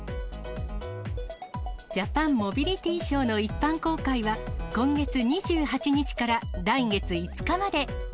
ジャパンモビリティショーの一般公開は、今月２８日から来月５日まで。